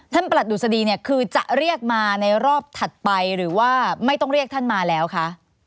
ประหลัดดุษฎีเนี่ยคือจะเรียกมาในรอบถัดไปหรือว่าไม่ต้องเรียกท่านมาแล้วคะ